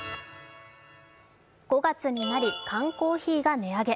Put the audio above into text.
５月になり缶コーヒーが値上げ。